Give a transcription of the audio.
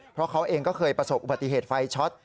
เพราะเขาเองก็เคยประสบอุบัติเหตุไฟช็อต